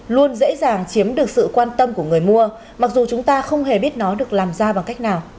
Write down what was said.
luôn dễ dàng chiếm được sự quan tâm của người mua mặc dù chúng ta không hề biết nó được làm ra bằng cách nào